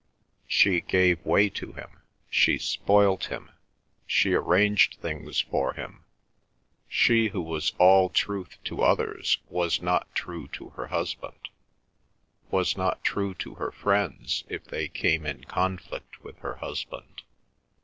She gave way to him; she spoilt him; she arranged things for him; she who was all truth to others was not true to her husband, was not true to her friends if they came in conflict with her husband.